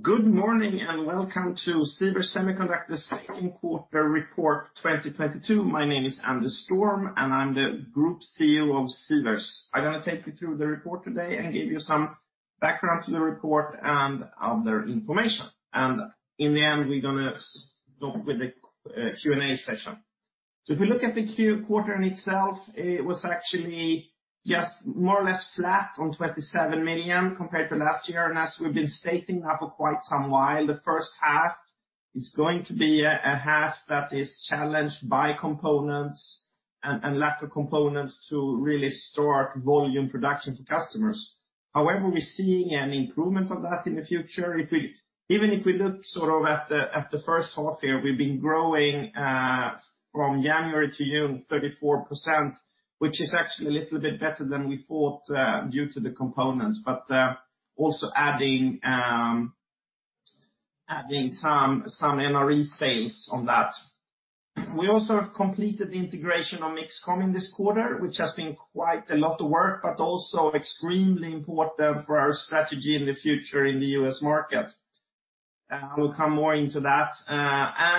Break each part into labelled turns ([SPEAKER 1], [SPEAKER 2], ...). [SPEAKER 1] Good morning and welcome to Sivers Semiconductors Second Quarter Report 2022. My name is Anders Storm, and I'm the Group CEO of Sivers. I'm gonna take you through the report today and give you some background to the report and other information. In the end, we're gonna stop with a Q&A session. If we look at the quarter in itself, it was actually just more or less flat on 27 million compared to last year. As we've been stating that for quite some while, the first half is going to be a half that is challenged by components and lack of components to really start volume production for customers. However, we're seeing an improvement of that in the future. Even if we look sort of at the first half year, we've been growing from January to June 34%, which is actually a little bit better than we thought due to the components. Also adding some NRE sales on that. We also have completed the integration of MixComm in this quarter, which has been quite a lot of work, but also extremely important for our strategy in the future in the U.S. market. We'll come more into that.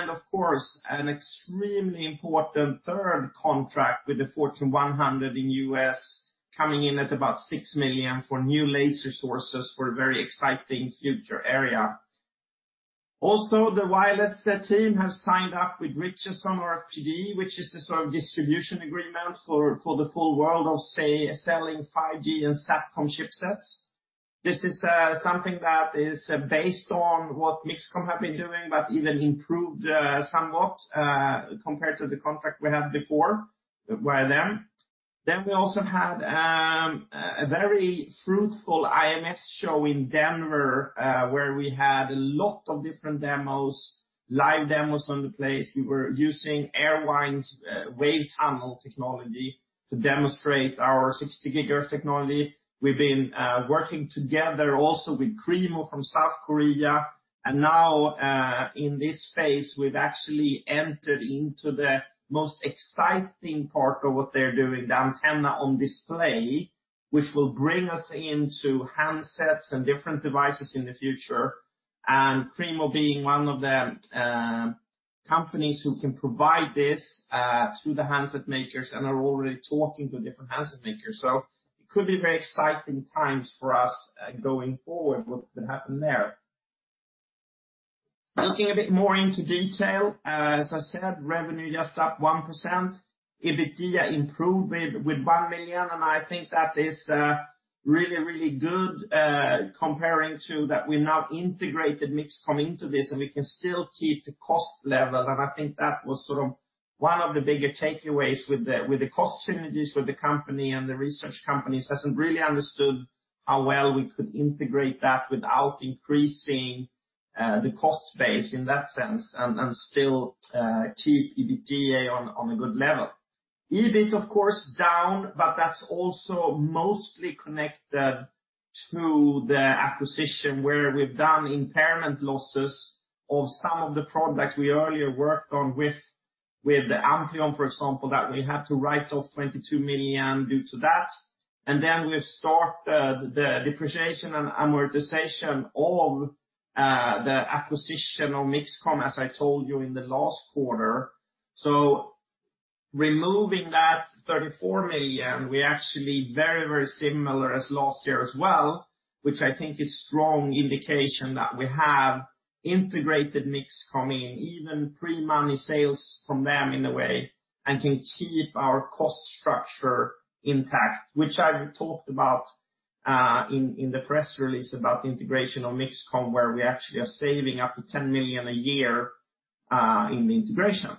[SPEAKER 1] Of course, an extremely important third contract with the Fortune 100 in U.S. coming in at about 6 million for new laser sources for a very exciting future area. The wireless team have signed up with Richardson RFPD, which is the sort of distribution agreement for the full world of say, selling 5G and SATCOM chipsets. This is something that is based on what MixComm have been doing, but even improved somewhat compared to the contract we had before via them. We also had a very fruitful IMS show in Denver, where we had a lot of different demos, live demos on the place. We were using Airvine's WaveTunnel Technology to demonstrate our 60 GHz technology. We've been working together also with KREEMO from South Korea. In this space, we've actually entered into the most exciting part of what they're doing, the Antenna-on-Display, which will bring us into handsets and different devices in the future. KREEMO being one of the companies who can provide this to the handset makers and are already talking to different handset makers. It could be very exciting times for us going forward, what could happen there. Looking a bit more into detail, as I said, revenue just up 1%, EBITDA improved with 1 million, and I think that is really good comparing to that we now integrated MixComm into this, and we can still keep the cost level. I think that was sort of one of the bigger takeaways with the cost synergies with the company and the research companies, hasn't really understood how well we could integrate that without increasing the cost base in that sense and still keep EBITDA on a good level. EBIT, of course, down, but that's also mostly connected to the acquisition where we've done impairment losses of some of the products we earlier worked on with the Ampleon, for example, that we had to write off 22 million due to that. Then we start the depreciation and amortization of the acquisition of MixComm, as I told you in the last quarter. Removing that 34 million, we're actually very, very similar as last year as well, which I think is strong indication that we have integrated MixComm in even pre-money sales from them in a way, and can keep our cost structure intact, which I talked about in the press release about the integration of MixComm, where we actually are saving up to 10 million a year in the integration.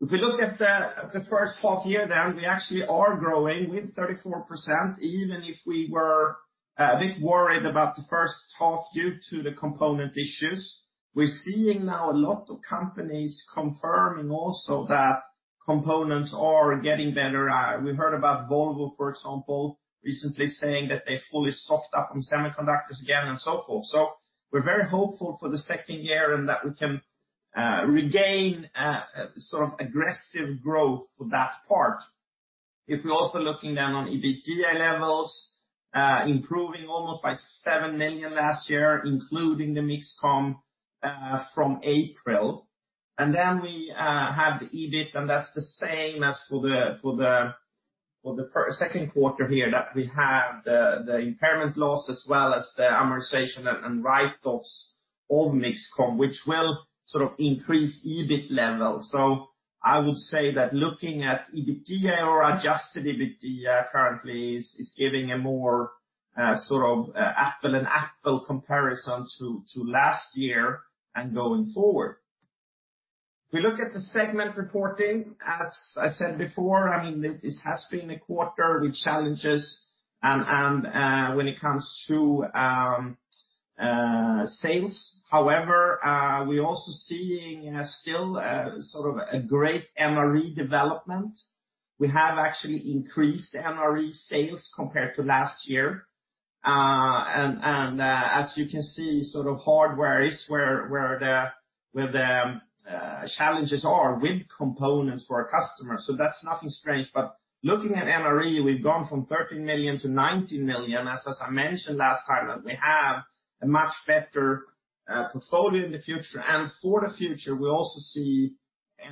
[SPEAKER 1] If we look at the first half year, then we actually are growing with 34%, even if we were a bit worried about the first half due to the component issues. We're seeing now a lot of companies confirming also that components are getting better. We heard about Volvo, for example, recently saying that they fully stocked up on semiconductors again and so forth. We're very hopeful for the second year and that we can regain a sort of aggressive growth for that part. If we're also looking down on EBITDA levels, improving almost by 7 million last year, including the MixComm from April. We have the EBIT, and that's the same as for the second quarter here, that we have the impairment loss as well as the amortization and write-offs of MixComm, which will sort of increase EBIT level. I would say that looking at EBITDA or adjusted EBITDA currently is giving a more sort of apples-to-apples comparison to last year and going forward. If we look at the segment reporting, as I said before, this has been a quarter with challenges and when it comes to sales. However, we're also seeing a still sort of a great NRE development. We have actually increased NRE sales compared to last year. As you can see, sort of hardware is where the challenges are with components for our customers. That's nothing strange. Looking at NRE, we've gone from 13 million to 19 million. I mentioned last time that we have a much better portfolio in the future. For the future, we also see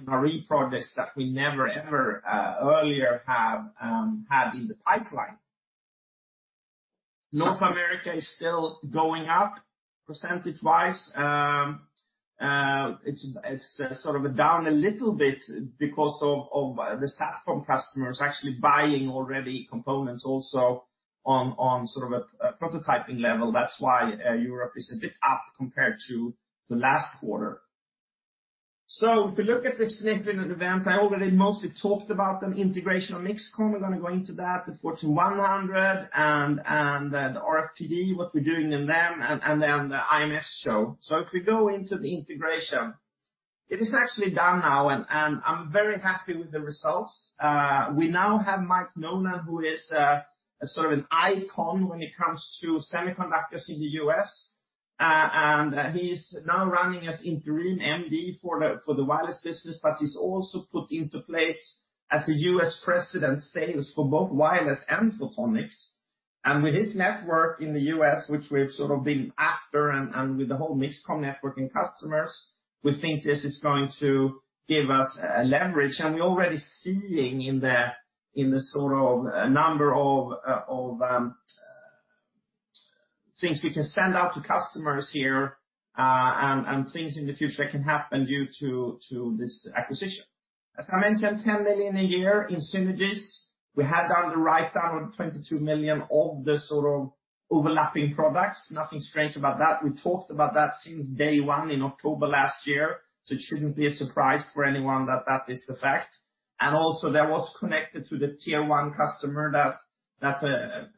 [SPEAKER 1] NRE projects that we never, ever, earlier have had in the pipeline. North America is still going up percentage-wise. It's sort of down a little bit because of the SATCOM customers actually buying already components also on sort of a prototyping level. That's why Europe is a bit up compared to the last quarter. If you look at the significant events, I already mostly talked about them. Integration of MixComm, I'm gonna go into that. The Fortune 100 and the RFPD, what we're doing in them, and then the IMS show. If we go into the integration, it is actually done now, and I'm very happy with the results. We now have Mike Nolan, who is sort of an icon when it comes to semiconductors in the U.S. He's now running as interim MD for the wireless business, but he's also put into place as a U.S. President of Sales for both wireless and photonics. With his network in the U.S., which we've sort of been after and with the whole MixComm network and customers, we think this is going to give us leverage. We're already seeing in the sort of number of things we can send out to customers here, and things in the future can happen due to this acquisition. As I mentioned, 10 million a year in synergies. We have done the write-down of 22 million of the sort of overlapping products. Nothing strange about that. We talked about that since day one in October last year, so it shouldn't be a surprise for anyone that that is the fact. Also that was connected to the tier one customer that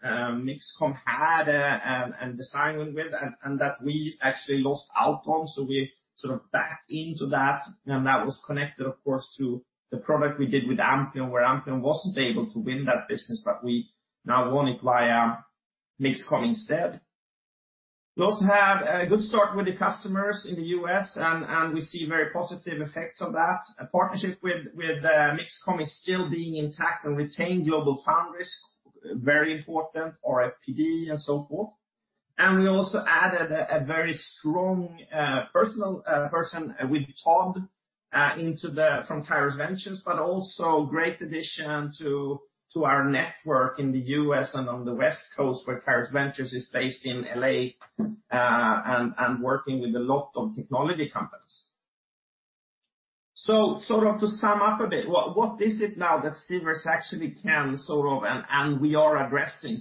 [SPEAKER 1] MixComm had and designed with and that we actually lost out on. We sort of backed into that, and that was connected, of course, to the product we did with Ampleon, where Ampleon wasn't able to win that business, but we now won it via MixComm instead. We also have a good start with the customers in the US, and we see very positive effects of that. A partnership with MixComm is still intact and retaining GlobalFoundries, very important, RFPD and so forth. We also added a very strong person with Todd from Kairos Ventures, but also great addition to our network in the U.S. and on the West Coast, where Kairos Ventures is based in L.A., and working with a lot of technology companies. To sum up a bit, what is it now that Sivers actually can sort of and we are addressing?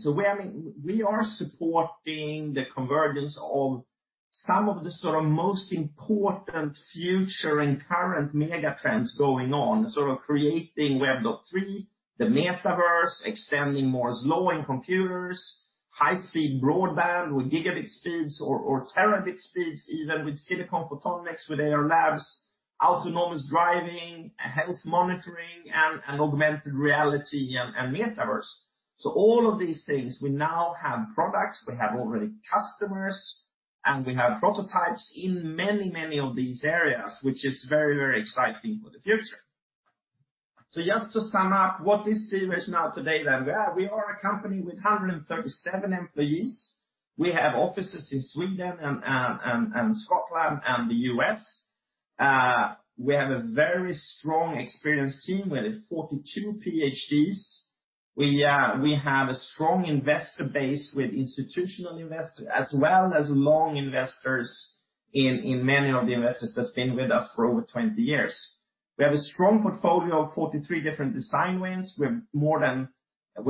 [SPEAKER 1] We are supporting the convergence of some of the sort of most important future and current mega trends going on, sort of creating Web3, the metaverse, extending Moore's Law in computers, high-speed broadband with gigabit speeds or terabit speeds, even with silicon photonics, with AI labs, autonomous driving, health monitoring, and augmented reality and metaverse. All of these things, we now have products, we have already customers, and we have prototypes in many of these areas, which is very exciting for the future. Just to sum up, what is Sivers now today then? We are a company with 137 employees. We have offices in Sweden and Scotland and the U.S. We have a very strong experienced team with 42 PhDs. We have a strong investor base with institutional investors as well as long investors in many of the investors that's been with us for over 20 years. We have a strong portfolio of 43 different design wins. We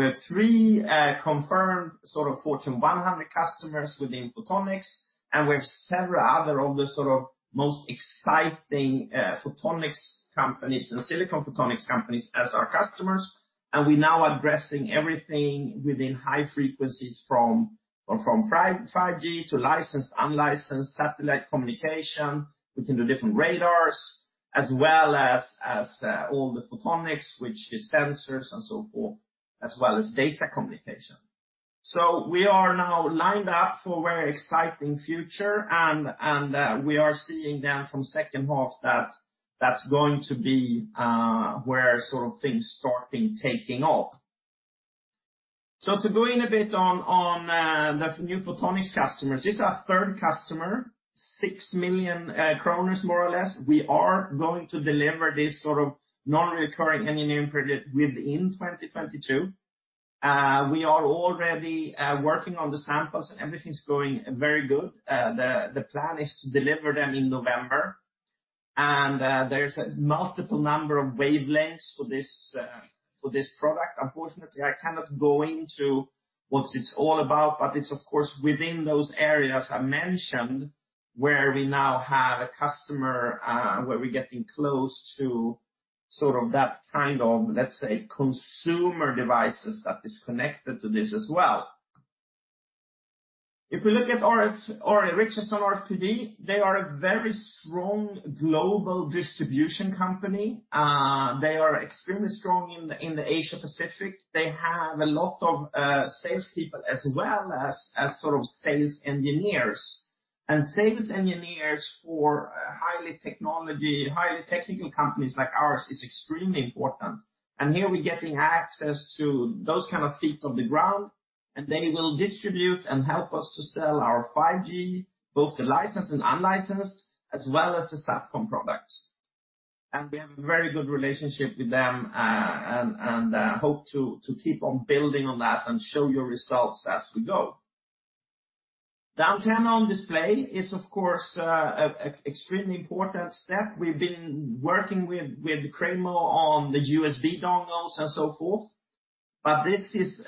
[SPEAKER 1] have three confirmed sort of Fortune 100 customers within photonics, and we have several other of the sort of most exciting photonics companies and silicon photonics companies as our customers. We're now addressing everything within high frequencies from 5G to licensed, unlicensed satellite communication. We can do different radars as well as all the photonics, which is sensors and so forth, as well as data communication. We are now lined up for a very exciting future. We are seeing then from second half that that's going to be where sort of things starting taking off. To go in a bit on the new Photonics customer. This is our third customer, 6 million kronor, more or less. We are going to deliver this sort of non-recurring engineering project within 2022. We are already working on the samples. Everything's going very good. The plan is to deliver them in November. There's a multiple number of wavelengths for this product. Unfortunately, I cannot go into what it's all about, but it's of course within those areas I mentioned, where we now have a customer, where we're getting close to sort of that kind of, let's say, consumer devices that is connected to this as well. If we look at RF, Richardson RFPD, they are a very strong global distribution company. They are extremely strong in the Asia Pacific. They have a lot of salespeople as well as sales engineers. Sales engineers for high technology, highly technical companies like ours is extremely important. Here we're getting access to those kind of feet on the ground, and they will distribute and help us to sell our 5G, both the licensed and unlicensed, as well as the SATCOM products. We have a very good relationship with them, and hope to keep on building on that and show you results as we go. The Antenna-on-Display is, of course, a extremely important step. We've been working with KREEMO on the USB dongles and so forth, but this is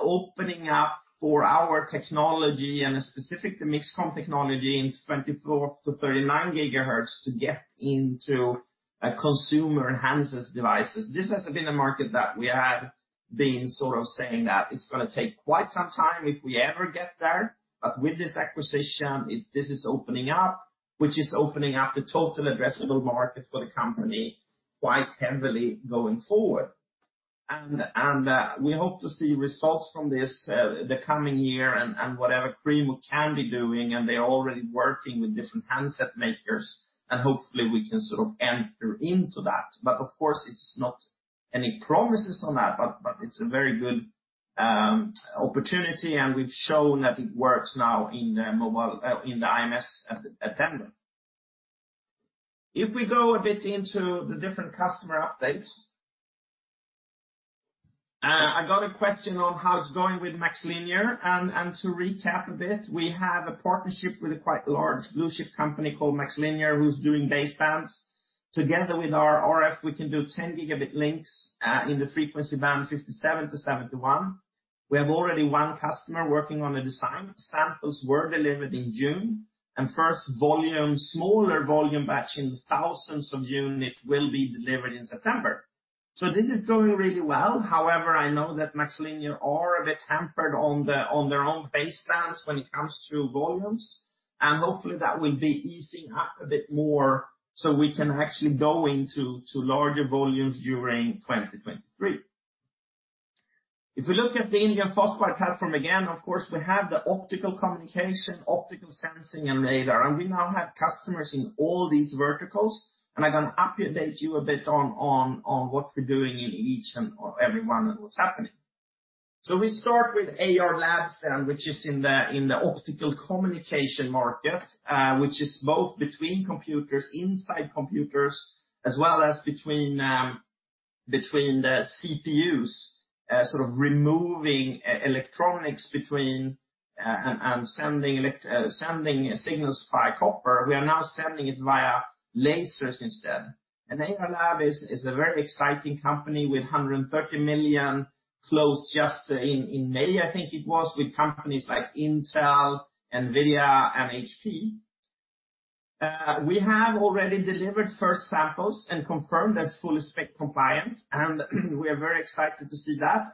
[SPEAKER 1] opening up for our technology and specific to MixComm technology in 24-39 GHz to get into a consumer handset devices. This has been a market that we have been sort of saying that it's gonna take quite some time if we ever get there. With this acquisition, this is opening up, which is opening up the total addressable market for the company quite heavily going forward. We hope to see results from this, the coming year and whatever KREEMO can be doing, and they're already working with different handset makers, and hopefully we can sort of enter into that. Of course, it's not any promises on that, but it's a very good opportunity, and we've shown that it works now in mobile in the IMS at Denver. If we go a bit into the different customer updates. I got a question on how it's going with MaxLinear. To recap a bit, we have a partnership with a quite large blue chip company called MaxLinear, who's doing basebands. Together with our RF, we can do 10 Gb links in the frequency band 57-71. We have already one customer working on a design. Samples were delivered in June, and first volume, smaller volume batch in thousands of units will be delivered in September. This is going really well. However, I know that MaxLinear are a bit hampered on the, on their own basebands when it comes to volumes, and hopefully that will be easing up a bit more so we can actually go into to larger volumes during 2023. If we look at the indium phosphide platform, again, of course, we have the optical communication, optical sensing and radar, and we now have customers in all these verticals, and I'm gonna update you a bit on what we're doing in each and every one and what's happening. We start with Ayar Labs then, which is in the optical communication market, which is both between computers, inside computers, as well as between the CPUs, sort of removing electronics between, and sending signals via copper. We are now sending it via lasers instead. Ayar Labs is a very exciting company with $130 million closed just in May, I think it was, with companies like Intel, NVIDIA, and HP. We have already delivered first samples and confirmed full spec compliance, and we are very excited to see that.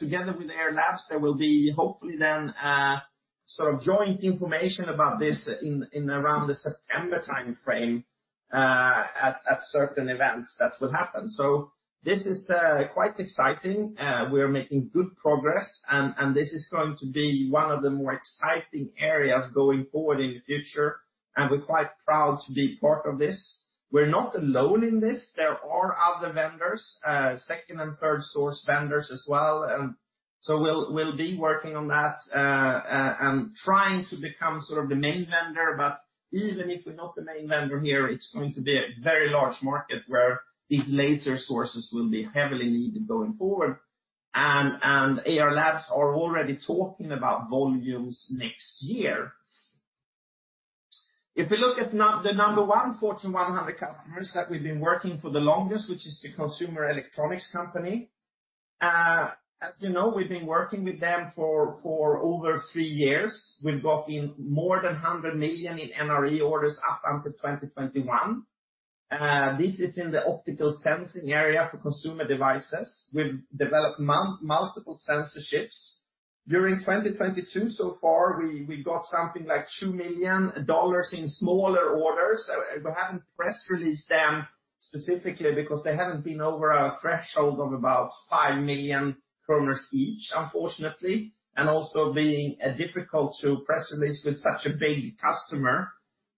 [SPEAKER 1] Together with Ayar Labs, there will be hopefully then sort of joint information about this in around the September timeframe at certain events that will happen. This is quite exciting. We are making good progress and this is going to be one of the more exciting areas going forward in the future, and we're quite proud to be part of this. We're not alone in this. There are other vendors, second and third source vendors as well. We'll be working on that and trying to become sort of the main vendor. Even if we're not the main vendor here, it's going to be a very large market where these laser sources will be heavily needed going forward. Ayar Labs are already talking about volumes next year. If we look at the number one Fortune 100 customers that we've been working for the longest, which is the consumer electronics company, as you know, we've been working with them for over three years. We've got more than 100 million in NRE orders up until 2021. This is in the optical sensing area for consumer devices. We've developed multiple sensor chips. During 2022 so far, we got something like $2 million in smaller orders. We haven't press released them specifically because they haven't been over a threshold of about five million SEK each, unfortunately, and also being difficult to press release with such a big customer.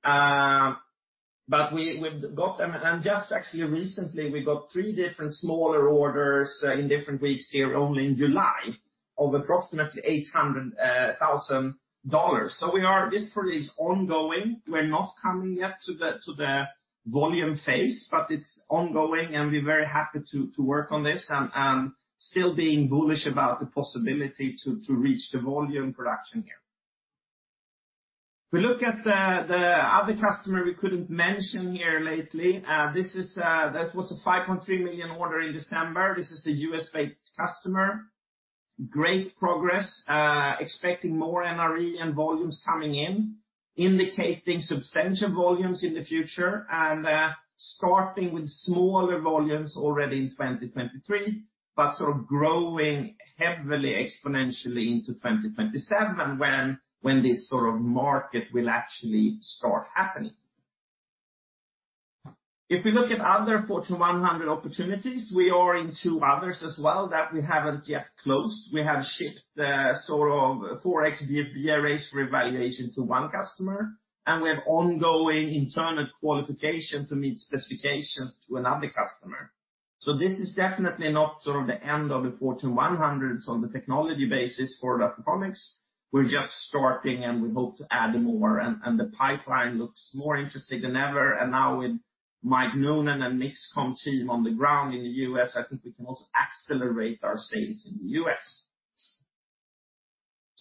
[SPEAKER 1] But we've got them. Just actually recently, we got three different smaller orders in different weeks here, only in July of approximately $800 thousand. This release is ongoing. We're not coming yet to the volume phase, but it's ongoing and we're very happy to work on this and still being bullish about the possibility to reach the volume production here. If we look at the other customer we couldn't mention here lately, this is that was a 5.3 million order in December. This is a U.S.-based customer. Great progress, expecting more NRE and volumes coming in, indicating substantial volumes in the future, and starting with smaller volumes already in 2023, but sort of growing heavily exponentially into 2027 when this sort of market will actually start happening. If we look at other Fortune 100 opportunities, we are in two others as well that we haven't yet closed. We have shipped the sort of 4X VR laser reevaluation to one customer, and we have ongoing internal qualification to meet specifications to another customer. This is definitely not sort of the end of the Fortune 100 on the technology basis for Photonics. We're just starting, and we hope to add more, and the pipeline looks more interesting than ever. Now with Mike Nolan and MixComm team on the ground in the U.S., I think we can also accelerate our sales in the U.S.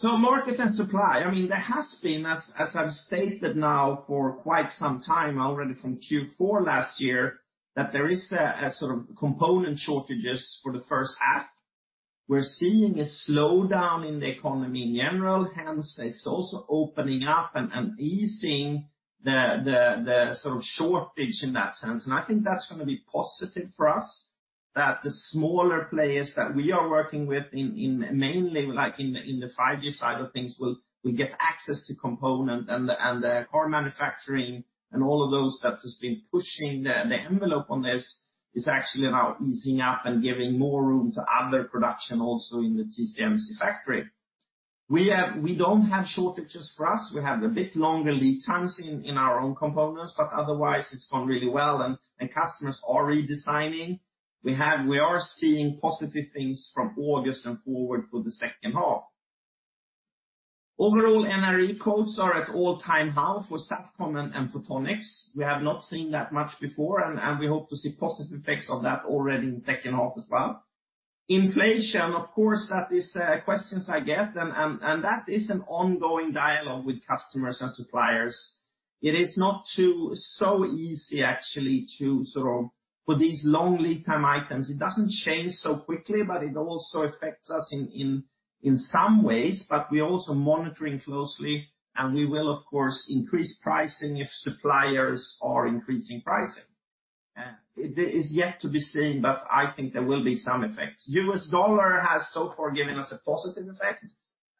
[SPEAKER 1] Market and supply. I mean, there has been, as I've stated now for quite some time already from Q4 last year, that there is a sort of component shortages for the first half. We're seeing a slowdown in the economy in general. Hence, it's also opening up and easing the sort of shortage in that sense. I think that's gonna be positive for us that the smaller players that we are working with in mainly like in the 5G side of things we get access to component and the car manufacturing and all of those that has been pushing the envelope on this is actually now easing up and giving more room to other production also in the TSMC factory. We don't have shortages for us. We have a bit longer lead times in our own components, but otherwise it's gone really well and customers are redesigning. We are seeing positive things from August and forward for the second half. Overall, NRE quotes are at all-time high for SATCOM and Photonics. We have not seen that much before, and we hope to see positive effects of that already in second half as well. Inflation, of course, that is questions I get and that is an ongoing dialogue with customers and suppliers. It is not so easy actually to sort of put these long lead time items. It doesn't change so quickly, but it also affects us in some ways. We're also monitoring closely, and we will of course increase pricing if suppliers are increasing pricing. It is yet to be seen, but I think there will be some effects. U.S. dollar has so far given us a positive effect.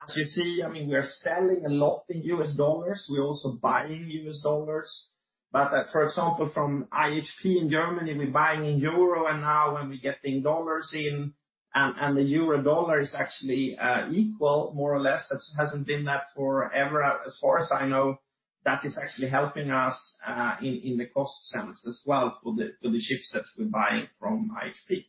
[SPEAKER 1] As you see, I mean, we are selling a lot in U.S. dollars. We're also buying U.S. dollars. For example, from IHP in Germany, we're buying in euro, and now when we getting dollars in, and the euro-dollar is actually equal more or less. It hasn't been that forever, as far as I know. That is actually helping us in the cost sense as well for the chipsets we're buying from IHP.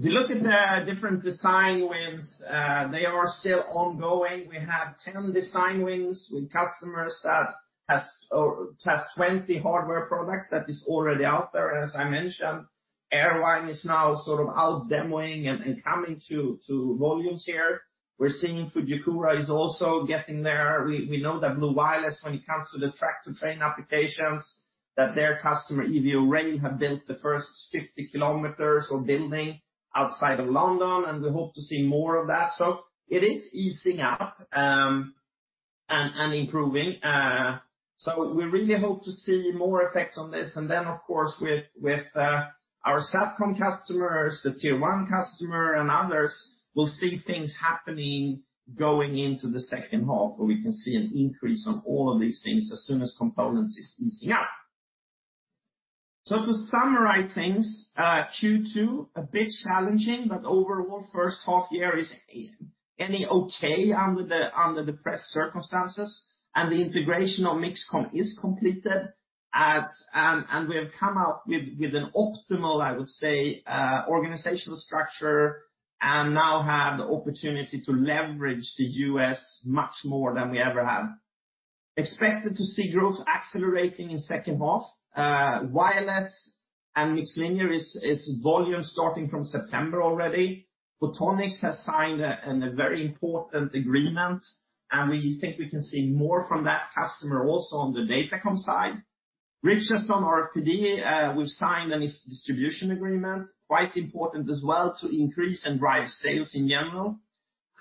[SPEAKER 1] If you look at the different design wins, they are still ongoing. We have 10 design wins with customers that test 20 hardware products that is already out there. As I mentioned, Airvine is now sort of out demoing and coming to volumes here. We're seeing Fujikura is also getting there. We know that Blu Wireless, when it comes to the track-to-train applications, that their customer, Evo-Rail, have built the first 50 km of building outside of London, and we hope to see more of that. It is easing up, and improving. We really hope to see more effects on this. Then of course, with our SATCOM customers, the tier one customer and others, we'll see things happening going into the second half, where we can see an increase on all of these things as soon as components is easing up. To summarize things, Q2 a bit challenging, but overall, first half year is ending okay under the present circumstances, and the integration of MixComm is completed, and we have come up with an optimal, I would say, organizational structure and now have the opportunity to leverage the U.S. much more than we ever have. Expected to see growth accelerating in second half. Wireless and MaxLinear is volume starting from September already. Photonics has signed a very important agreement, and we think we can see more from that customer also on the Datacom side. Richardson RFPD, we've signed a distribution agreement, quite important as well to increase and drive sales in general.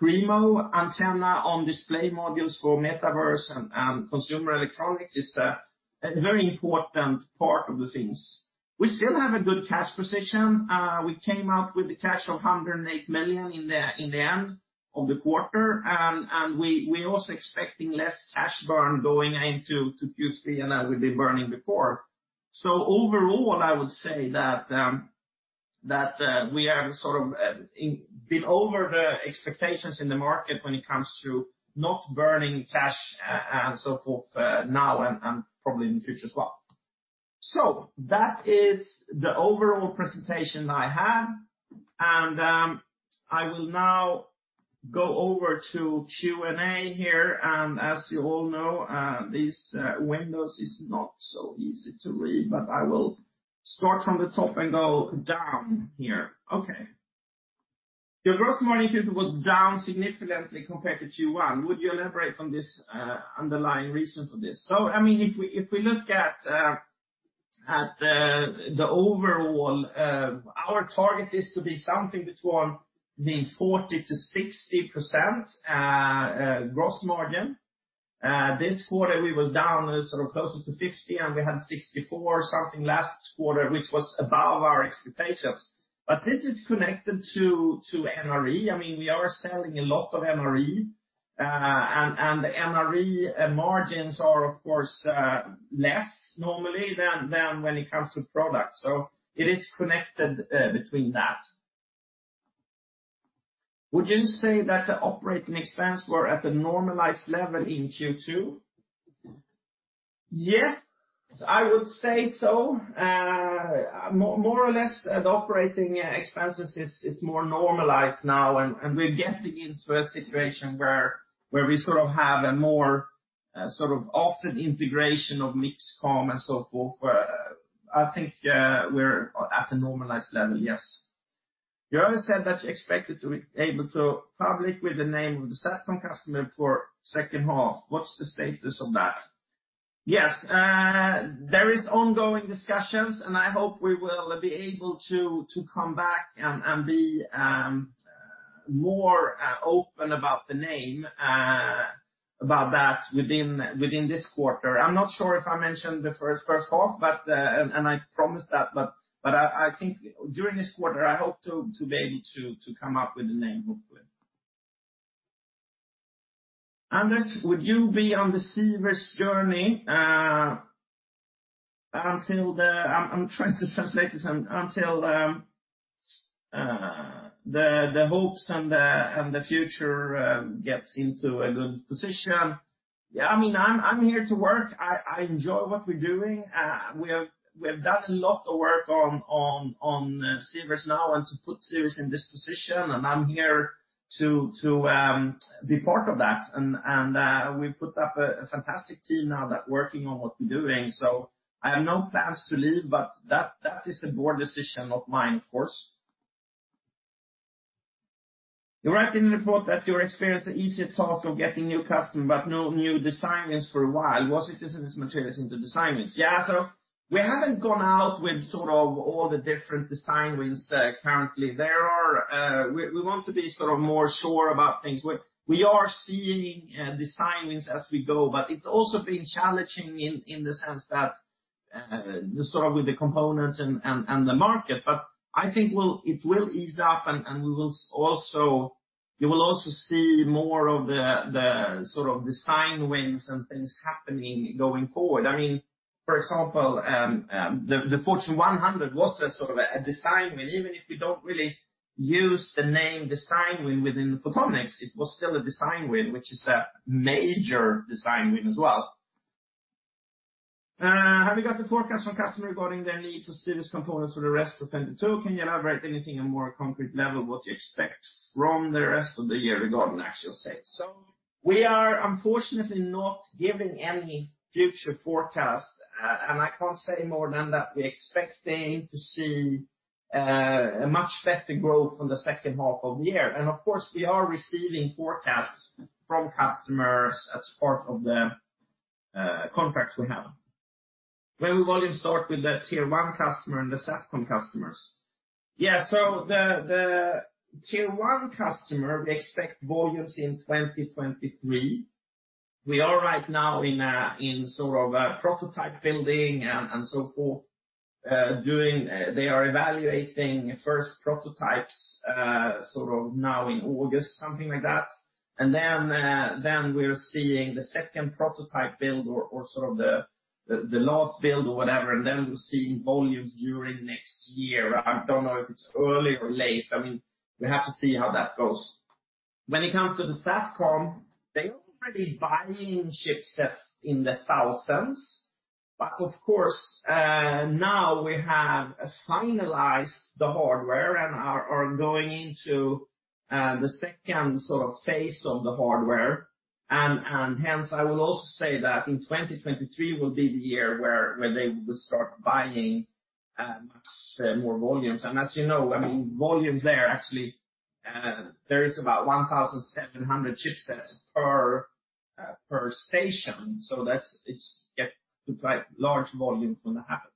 [SPEAKER 1] KREEMO Antenna-on-Display modules for metaverse and consumer electronics is a very important part of the things. We still have a good cash position. We came out with cash of 108 million in the end of the quarter and we are also expecting less cash burn going into Q3 than we've been burning before. Overall, I would say that we are sort of a bit over the expectations in the market when it comes to not burning cash and so forth, now and probably in the future as well. That is the overall presentation I have. I will now go over to Q&A here. As you all know, these windows are not so easy to read but I will start from the top and go down here. Okay. Your gross margin was down significantly compared to Q1. Would you elaborate on this, underlying reason for this? I mean, if we look at the overall, our target is to be something between 40%-60% gross margin. This quarter, we was down sort of closer to 50%, and we had 64 something last quarter, which was above our expectations. This is connected to NRE. I mean, we are selling a lot of NRE. And the NRE margins are of course, less normally than when it comes to products. It is connected between that. Would you say that the operating expense were at a normalized level in Q2? Yes, I would say so. More or less, the operating expenses is more normalized now, and we're getting into a situation where we sort of have a more sort of ongoing integration of MixComm and so forth, where I think we're at a normalized level, yes. You already said that you expected to be able to go public with the name of the SATCOM customer for second half. What's the status of that? Yes. There is ongoing discussions, and I hope we will be able to come back and be more open about the name about that within this quarter. I'm not sure if I mentioned the first half, but I promised that but I think during this quarter I hope to be able to come up with a name, hopefully. Anders, would you be on the Sivers journey until the hopes and the future gets into a good position. Yeah, I mean, I'm here to work. I enjoy what we're doing. We have done a lot of work on Sivers now and to put Sivers in this position, and I'm here to be part of that. We put up a fantastic team now that working on what we're doing. I have no plans to leave, but that is a board decision, not mine, of course. You write in the report that you experienced the easier task of getting new customer but no new design wins for a while. Was it this materializes into design wins? Yeah, sort of. We haven't gone out with sort of all the different design wins, currently. We want to be sort of more sure about things. We are seeing design wins as we go, but it's also been challenging in the sense that the sort of with the components and the market. I think it will ease up, and we will also. You will also see more of the sort of design wins and things happening going forward. I mean, for example, the Fortune 100 was a sort of a design win. Even if we don't really use the name design win within Photonics, it was still a design win, which is a major design win as well. Have you got the forecast from customer regarding their need to Sivers components for the rest of 2022? Can you elaborate anything in more concrete level what you expect from the rest of the year regarding actual sales? We are unfortunately not giving any future forecast, and I can't say more than that we're expecting to see a much better growth on the second half of the year. Of course, we are receiving forecasts from customers as part of the contracts we have. When will volume start with the tier one customer and the Satcom customers? The tier one customer, we expect volumes in 2023. We are right now in sort of a prototype building and so forth. They are evaluating first prototypes, sort of now in August, something like that. We're seeing the second prototype build or sort of the last build or whatever. Then we're seeing volumes during next year. I don't know if it's early or late. I mean, we have to see how that goes. When it comes to the SATCOM, they're already buying chipsets in the thousands. But of course, now we have finalized the hardware and are going into the second sort of phase of the hardware. And hence, I will also say that in 2023 will be the year where they will start buying much more volumes. And as you know, I mean, volumes there actually there is about 1,700 chipsets per station. So that's it gets to quite large volumes when that happens.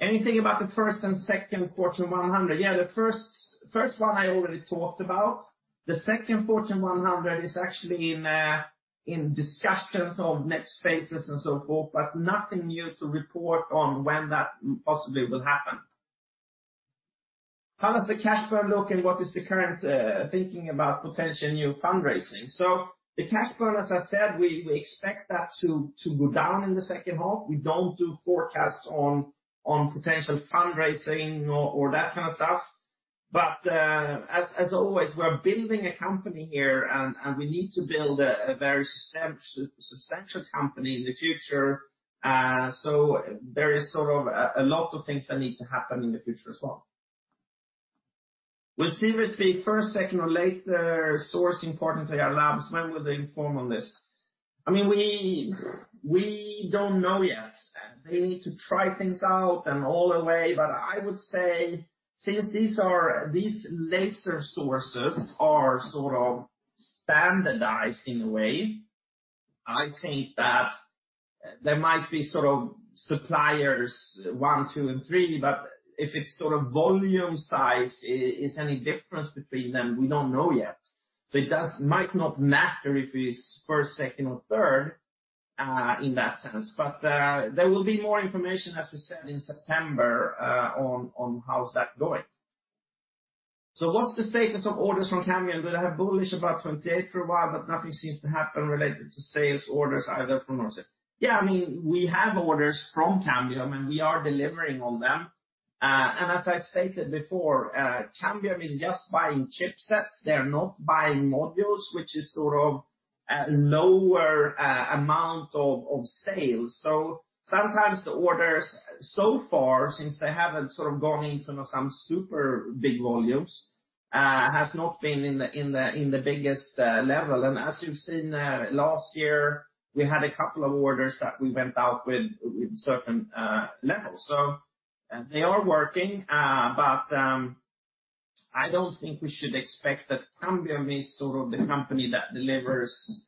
[SPEAKER 1] Anything about the first and second Fortune 100? Yeah, the first one I already talked about. The second Fortune 100 is actually in discussions of next phases and so forth but nothing new to report on when that possibly will happen. How does the cash burn look and what is the current thinking about potential new fundraising? The cash burn, as I said, we expect that to go down in the second half. We don't do forecasts on potential fundraising or that kind of stuff. As always, we're building a company here and we need to build a very substantial company in the future. There is sort of a lot of things that need to happen in the future as well. Will Sivers be first, second or later source for Ayar Labs? When will they inform on this? I mean, we don't know yet. They need to try things out and all the way. I would say since these laser sources are sort of standardized in a way, I think that there might be sort of suppliers one, two and thre. If it's sort of volume size is any difference between them, we don't know yet. It might not matter if it's first, second or third in that sense. There will be more information, as we said in September, on how that is going. What's the status of orders from Cambium? They have been bullish about 28 for a while, but nothing seems to happen related to sales orders either from or to. Yeah, I mean, we have orders from Cambium, and we are delivering on them. As I stated before, Cambium is just buying chipsets. They're not buying modules, which is sort of a lower amount of sales. Sometimes the orders so far, since they haven't sort of gone into some super big volumes, has not been in the biggest level. As you've seen, last year, we had a couple of orders that we went out with certain levels. They are working, but I don't think we should expect that Cambium is sort of the company that delivers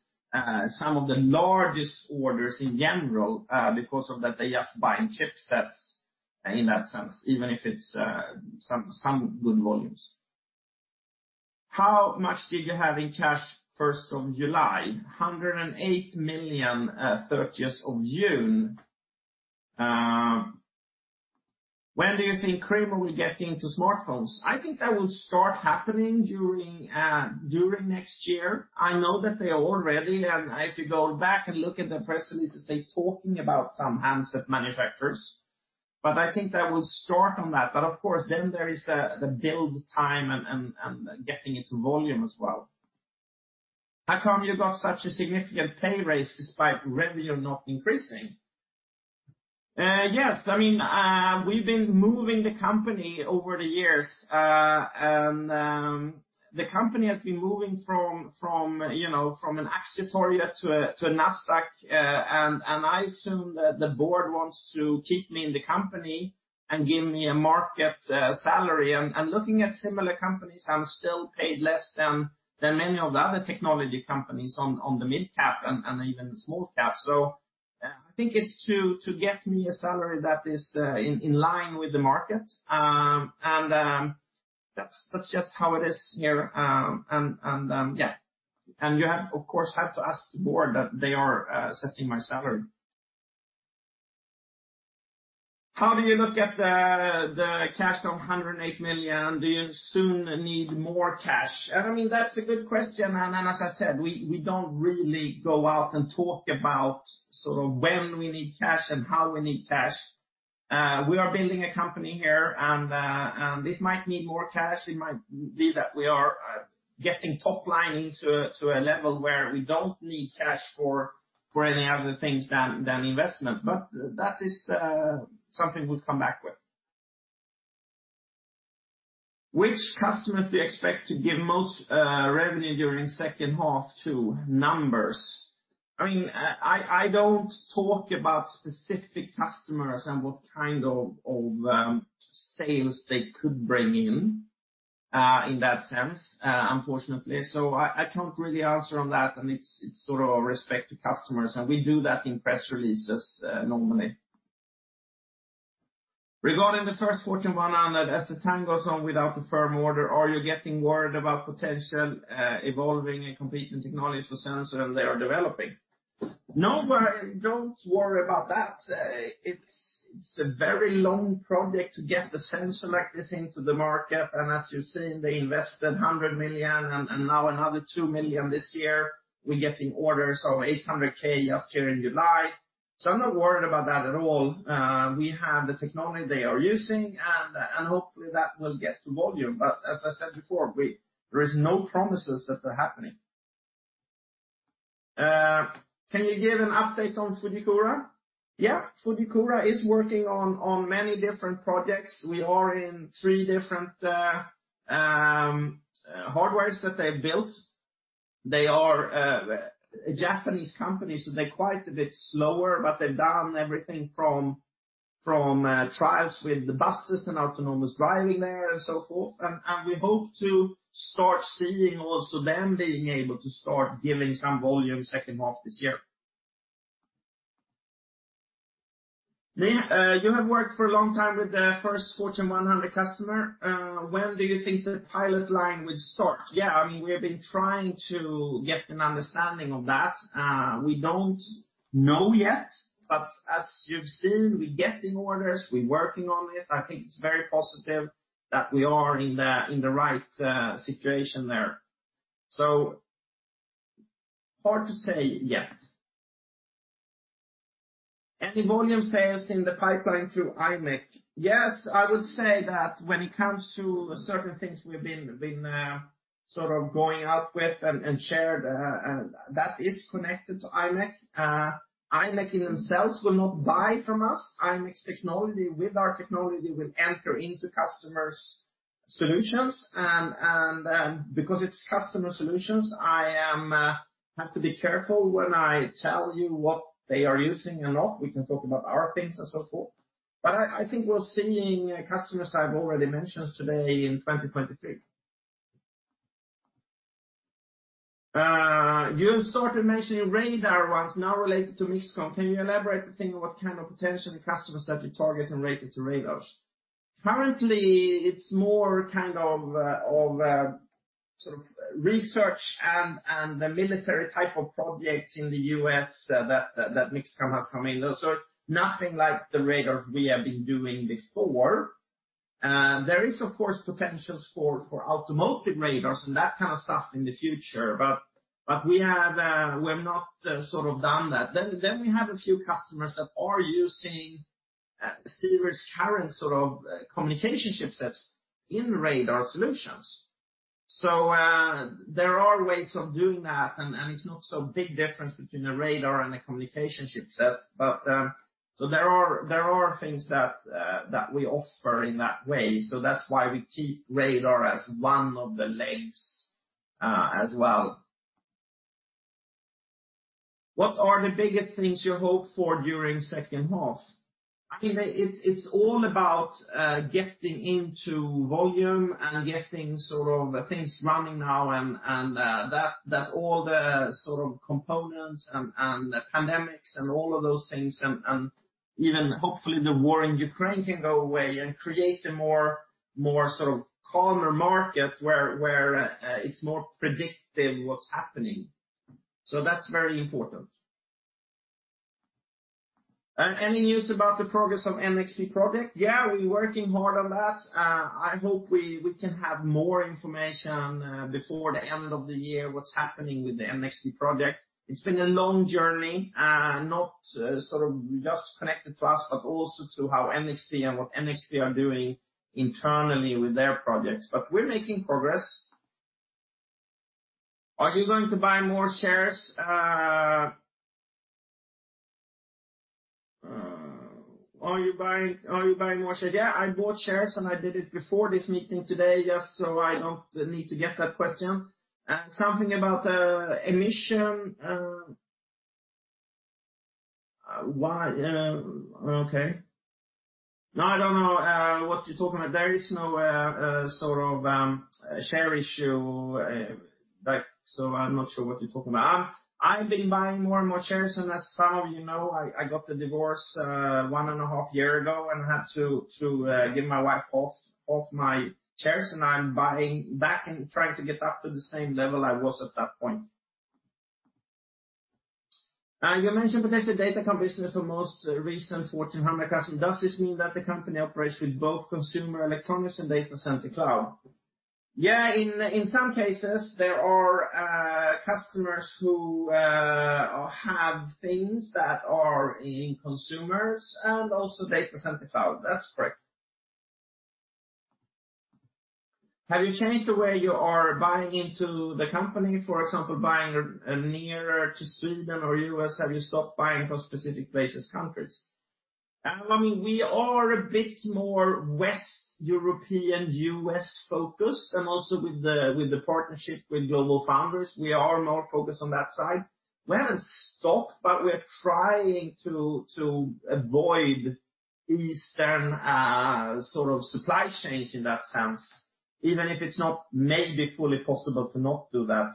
[SPEAKER 1] some of the largest orders in general, because of that, they're just buying chipsets in that sense, even if it's some good volumes. How much did you have in cash first of July? 108 million, 30th of June. When do you think KREEMO will get into smartphones? I think that will start happening during next year. I know that they are already. If you go back and look at the press releases, they are talking about some handset manufacturers. I think that will start on that. Of course, then there is the build time and getting it to volume as well. How come you got such a significant pay raise despite revenue not increasing? Yes. I mean, we have been moving the company over the years. The company has been moving from you know, from an Aktietorget to a Nasdaq. I assume that the board wants to keep me in the company and give me a market salary. Looking at similar companies, I'm still paid less than many of the other technology companies on the mid cap and even the small cap. I think it's to get me a salary that is in line with the market. That's just how it is here. You have, of course, to ask the board that they are setting my salary. How do you look at the cash of 108 million? Do you soon need more cash? I mean, that's a good question. As I said, we don't really go out and talk about sort of when we need cash and how we need cash. We are building a company here and it might need more cash. It might be that we are getting top line into a level where we don't need cash for any other things than investment. That is something we'll come back with. Which customers do you expect to give most revenue during second half to numbers? I mean, I don't talk about specific customers and what kind of sales they could bring in in that sense, unfortunately. I can't really answer on that. It's sort of out of respect to customers, and we do that in press releases normally. Regarding the first Fortune 100, as the time goes on without a firm order, are you getting worried about potential evolving and competing technologies for sensor and they are developing? No, I don't worry about that. It's a very long project to get the sensor like this into the market. As you've seen, they invested 100 million and now another 2 million this year. We're getting orders of 800K just here in July. I'm not worried about that at all. We have the technology they are using, and hopefully that will get to volume. As I said before, there is no promises that they're happening. Can you give an update on Fujikura? Yeah. Fujikura is working on many different projects. We are in three different hardwares that they've built. They are a Japanese company, so they're quite a bit slower. They've done everything from trials with the buses and autonomous driving there and so forth. We hope to start seeing also them being able to start giving some volume second half this year. Yeah. You have worked for a long time with the first Fortune 100 customer. When do you think the pilot line would start? Yeah. I mean, we have been trying to get an understanding of that. We don't know yet, but as you've seen, we're getting orders, we're working on it. I think it's very positive that we are in the right situation there. Hard to say yet. Any volume sales in the pipeline through Imec? Yes. I would say that when it comes to certain things we've been sort of going out with and shared that is connected to Imec. Imec themselves will not buy from us. Imec's technology with our technology will enter into customers' solutions, and because it's customer solutions, I have to be careful when I tell you what they are using and not. We can talk about our things and so forth. I think we're seeing customers I've already mentioned today in 2023. You started mentioning radar once now related to MixComm. Can you elaborate a thing on what kind of potential customers that you target and relate it to radars? Currently, it's more kind of sort of research and the military type of projects in the U.S. that MixComm has come in. Those are nothing like the radars we have been doing before. There is, of course, potential for automotive radars and that kind of stuff in the future. We have not sort of done that. We have a few customers that are using Sivers' current sort of communication chipsets in radar solutions. There are ways of doing that, and it's not so big difference between a radar and a communication chipset. There are things that we offer in that way. That's why we keep radar as one of the legs, as well. What are the biggest things you hope for during second half? I think that it's all about getting into volume and getting sort of things running now and that all the sort of components and pandemics and all of those things and even hopefully the war in Ukraine can go away and create a more sort of calmer market where it's more predictive what's happening. That's very important. Any news about the progress of NXP project? Yeah, we're working hard on that. I hope we can have more information before the end of the year, what's happening with the NXP project. It's been a long journey, not sort of just connected to us, but also to how NXP and what NXP are doing internally with their projects. We're making progress. Are you going to buy more shares? Are you buying more shares? Yeah, I bought shares, and I did it before this meeting today, just so I don't need to get that question. Something about emission. Why? Okay. No, I don't know what you're talking about. There is no sort of share issue. Like, so I'm not sure what you're talking about. I've been buying more and more shares, and as some of you know, I got the divorce 1.5 years ago and had to give my wife half my shares, and I'm buying back and trying to get up to the same level I was at that point. You mentioned protected Datacom business for most recent Fortune 100 customer. Does this mean that the company operates with both consumer electronics and data center cloud? Yeah, in some cases, there are customers who have things that are in consumers and also data center cloud. That's correct. Have you changed the way you are buying into the company? For example, buying nearer to Sweden or U.S.? Have you stopped buying from specific places, countries? I mean, we are a bit more West European, U.S.-focused, and also with the partnership with GlobalFoundries. We are more focused on that side. We haven't stopped, but we're trying to avoid eastern sort of supply chains in that sense, even if it's not maybe fully possible to not do that.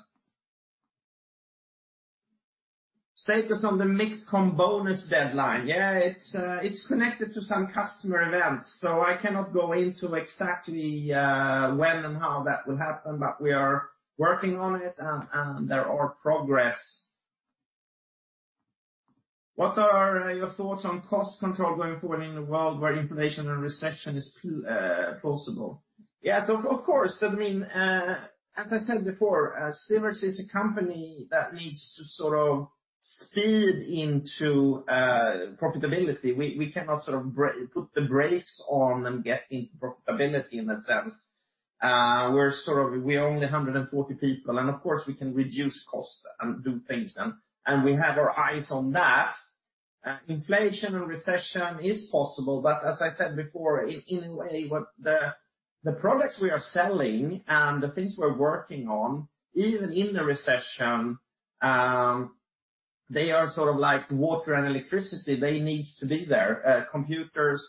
[SPEAKER 1] Status on the MixComm bonus deadline? Yeah, it's connected to some customer events, so I cannot go into exactly when and how that will happen. We are working on it and there is progress. What are your thoughts on cost control going forward in a world where inflation and recession is possible? Yeah, of course. I mean, as I said before, Sivers is a company that needs to sort of steer into profitability. We cannot sort of put the brakes on and get into profitability in that sense. We're only 140 people, and of course, we can reduce costs and do things then. We have our eyes on that. Inflation and recession is possible. As I said before, in any way, the products we are selling and the things we're working on, even in a recession, they are sort of like water and electricity. They need to be there. Computers,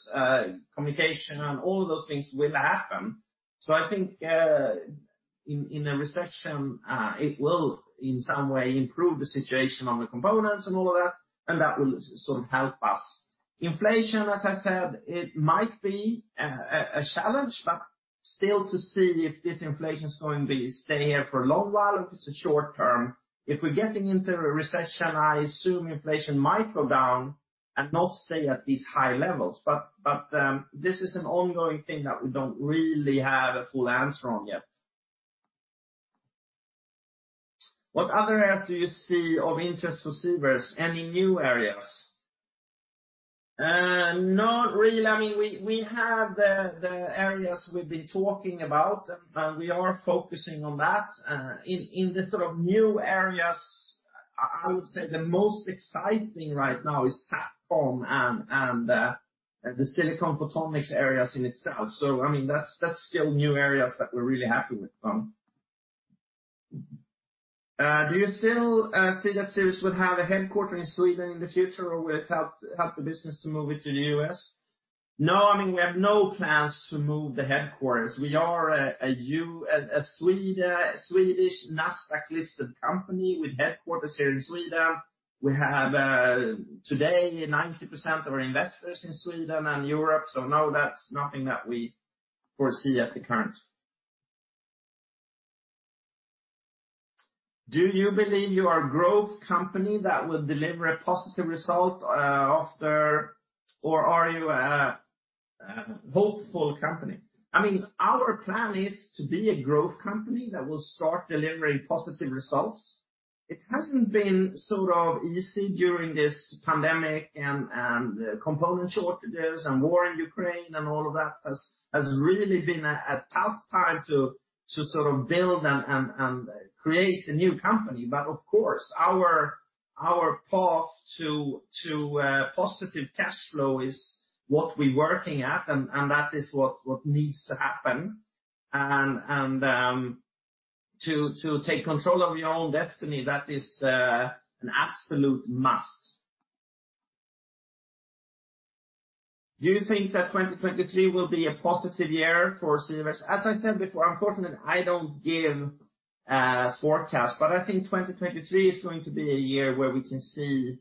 [SPEAKER 1] communication, and all of those things will happen. I think, in a recession, it will in some way improve the situation on the components and all of that, and that will sort of help us. Inflation, as I said, it might be a challenge, but still to see if this inflation is going to stay here for a long while, if it's a short term. If we're getting into a recession, I assume inflation might go down and not stay at these high levels. This is an ongoing thing that we don't really have a full answer on yet. What other areas do you see of interest for Sivers? Any new areas? Not really. I mean, we have the areas we've been talking about, and we are focusing on that. In the sort of new areas, I would say the most exciting right now is SATCOM and the silicon photonics areas in itself. So, I mean, that's still new areas that we're really happy with. Do you still see that Sivers would have a headquarters in Sweden in the future, or will it help the business to move it to the U.S.? No, I mean, we have no plans to move the headquarters. We are a Swedish Nasdaq-listed company with headquarters here in Sweden. We have today 90% of our investors in Sweden and Europe. No, that's nothing that we foresee at the current. Do you believe you are a growth company that will deliver a positive result after. Or are you a hopeful company? I mean, our plan is to be a growth company that will start delivering positive results. It hasn't been sort of easy during this pandemic and component shortages and war in Ukraine and all of that has really been a tough time to sort of build and create a new company. Of course our path to positive cash flow is what we're working at and that is what needs to happen and to take control of your own destiny, that is an absolute must. Do you think that 2023 will be a positive year for Sivers? As I said before, unfortunately, I don't give forecasts. I think 2023 is going to be a year where we can see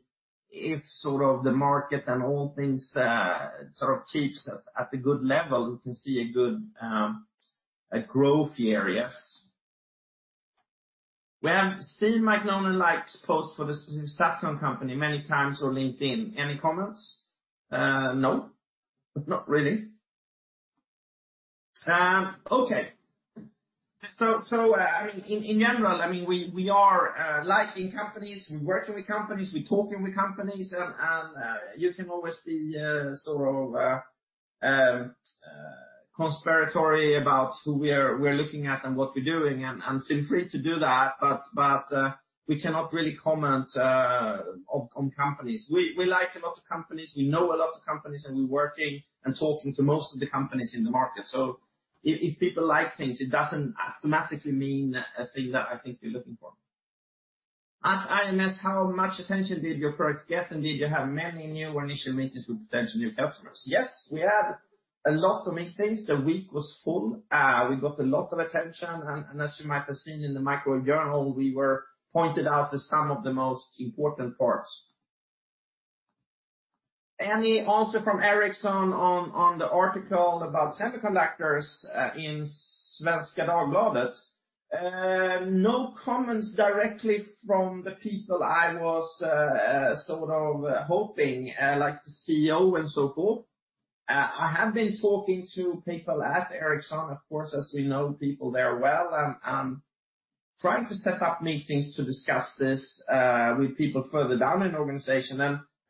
[SPEAKER 1] if the market and all things sort of keeps at a good level. We can see a good growth year, yes. We have seen Mike Nolan's posts for Sivers Semiconductors many times on LinkedIn. Any comments? No. Not really. Okay. I mean, in general, I mean, we are looking at companies, we're working with companies, we're talking with companies and you can always be sort of conspiratorial about who we're looking at and what we're doing, and feel free to do that. But we cannot really comment on companies. We like a lot of companies. We know a lot of companies, and we're working and talking to most of the companies in the market. If people like things, it doesn't automatically mean a thing that I think we're looking for. At IMS, how much attention did your products get? And did you have many new initial meetings with potential new customers? Yes, we had a lot of meetings. The week was full. We got a lot of attention. As you might have seen in the Microwave Journal, we were pointed out to some of the most important parts. Any answer from Ericsson on the article about semiconductors in Svenska Dagbladet? No comments directly from the people I was sort of hoping, like the CEO and so forth. I have been talking to people at Ericsson, of course, as we know people there well, and trying to set up meetings to discuss this with people further down in organization.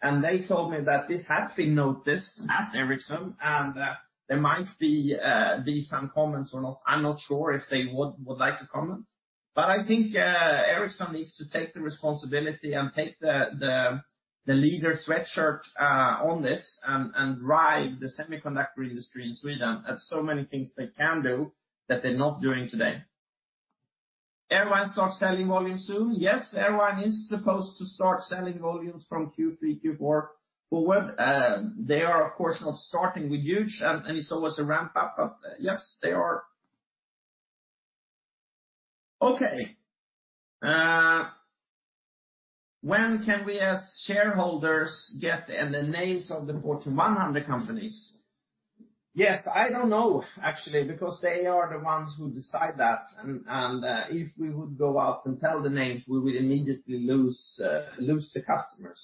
[SPEAKER 1] They told me that this had been noticed at Ericsson, and there might be some comments or not. I'm not sure if they would like to comment. I think Ericsson needs to take the responsibility and take the leadership on this and drive the semiconductor industry in Sweden. There's so many things they can do that they're not doing today. Everyone starts selling volume soon? Yes, everyone is supposed to start selling volumes from Q3, Q4 forward. They are, of course, not starting with huge, and it's always a ramp up. Yes, they are. Okay. When can we as shareholders get the names of the Fortune 100 companies? Yes. I don't know, actually, because they are the ones who decide that. If we would go out and tell the names, we would immediately lose the customer.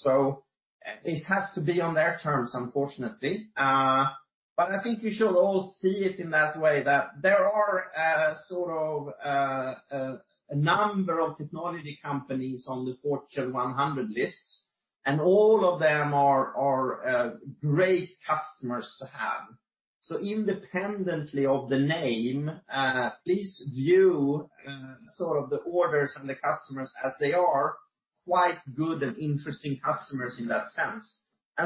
[SPEAKER 1] It has to be on their terms, unfortunately. I think we should all see it in that way that there are, sort of, a number of technology companies on the Fortune 100 lists, and all of them are great customers to have. Independently of the name, please view, sort of the orders and the customers as they are quite good and interesting customers in that sense.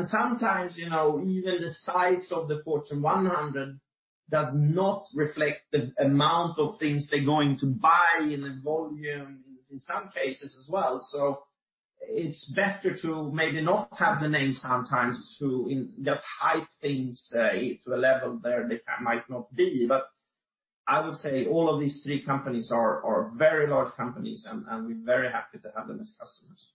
[SPEAKER 1] Sometimes, you know, even the size of the Fortune 100 does not reflect the amount of things they're going to buy in a volume in some cases as well. It's better to maybe not have the name sometimes to just hype things to a level where they might not be. I would say all of these three companies are very large companies and we're very happy to have them as customers.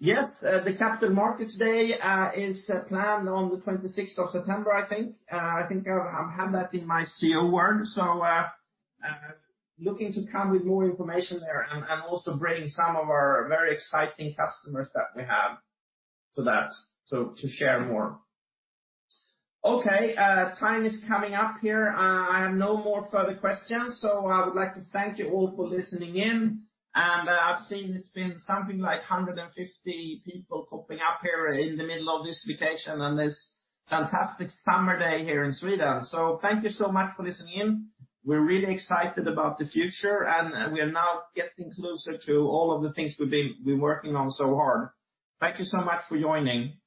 [SPEAKER 1] Yes, the Capital Markets Day is planned on the 26th of September, I think. I think I have that in my CEO word. Looking to come with more information there and also bring some of our very exciting customers that we have to that to share more. Okay, time is coming up here. I have no more further questions. I would like to thank you all for listening in. I've seen it's been something like 150 people popping up here in the middle of this vacation on this fantastic summer day here in Sweden. Thank you so much for listening in. We're really excited about the future, and we are now getting closer to all of the things we've been working on so hard. Thank you so much for joining.